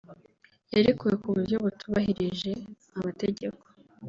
yarekuwe ku buryo butubahirije amategeko